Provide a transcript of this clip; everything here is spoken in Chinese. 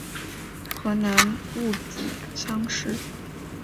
河南戊子乡试。